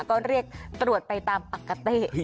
ก็เรียกตรวจไปตามอักกต้น